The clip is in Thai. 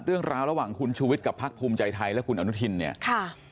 เรื่องราวระหว่างคุณชุวิตกับภักดิ์ภูมิไจไทยและคุณอนุทินเนี่ย